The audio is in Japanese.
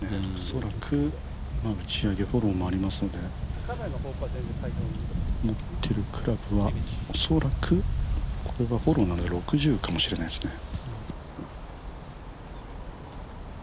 恐らく打ち上げフォローもありますので、持っているクラブは、恐らく６０かもしれないですね。